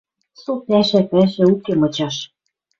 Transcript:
Со пӓшӓ, пӓшӓ — уке мычаш.